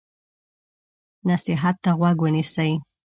نصیحت ته غوږ ونیسئ.